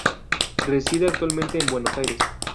Reside actualmente en Buenos Aires.